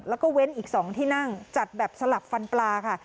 แล้วก็เว้นอีก๒ที่นั่งจัดแบบสลับฟันปลาค่ะ